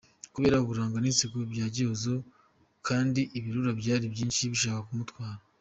Kubera uburanga n’inseko bya Gihozo kandi ibirura byari byinshi bishaka kumuntwara.